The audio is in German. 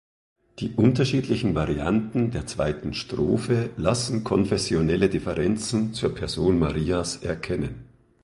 Die unterschiedlichen Varianten der zweiten Strophe lassen konfessionelle Differenzen zur Person Marias erkennen.